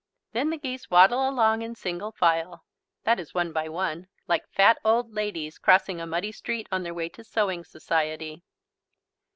Then the geese waddle along in single file, that is one by one, like fat old ladies crossing a muddy street on their way to sewing society.